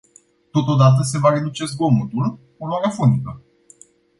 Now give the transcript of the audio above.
Totodată, se va reduce zgomotul, poluarea fonică.